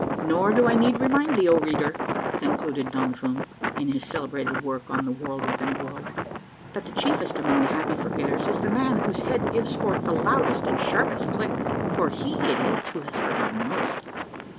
" Nor do I need remind thee, O reader, " concluded Don Fum, in his celebrated work on the " World within a World," " that the chiefest among the Happy Forgetters is the man whose head gives forth the loudest and sharpest click ; for he it is who has forgotten most."